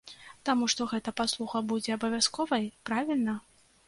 Таму, што гэта паслуга будзе абавязковай, правільна?